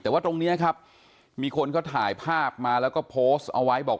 แต่ว่าตรงนี้ครับมีคนเขาถ่ายภาพมาแล้วก็โพสต์เอาไว้บอก